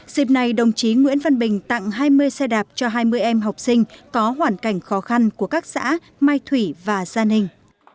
dịp này đồng chí nguyễn văn bình tặng hai mươi xe đạp cho hai mươi em học sinh có hoàn cảnh khó khăn của các xã mai thủy và gia ninh